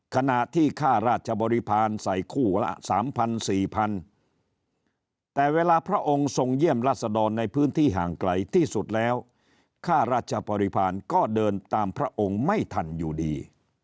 ขณะที่ค่าราชบริพาณใส่คู่ละ๓๐๐๔๐๐แต่เวลาพระองค์ทรงเยี่ยมราษดรในพื้นที่ห่างไกลที่สุดแล้วค่าราชบริพาณก็เดินตามพระองค์ไม่ทันอยู่ดี